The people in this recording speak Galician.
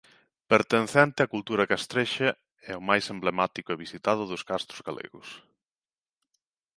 Pertencente á cultura castrexa e o máis emblemático e visitado dos castros galegos.